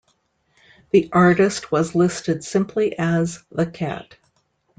The artist was listed simply as "The Cat".